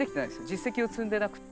実績を積んでなくて。